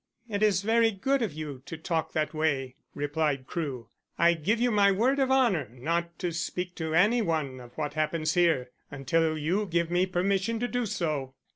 "It is very good of you to talk that way," replied Crewe. "I give you my word of honour not to speak to any one of what happens here, until you give me permission to do so.